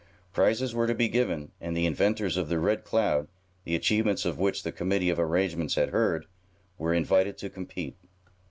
Prizes were to be given, and the inventors of the Red Cloud, the achievements of which the committee of arrangements had heard, were invited to compete.